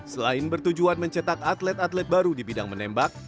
selain bertujuan mencetak atlet atlet baru di bidang menembak